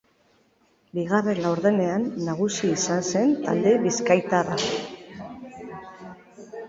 Bigarren laurdenean nagusi izan zen talde bizkaitarra.